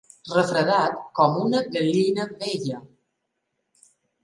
Refredat com una gallina vella.